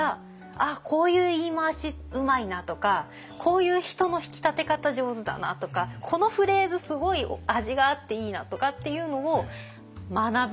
あこういう言い回しうまいな！とかこういう人の引き立て方上手だなとかこのフレーズすごい味があっていいなとかっていうのを学ぶ。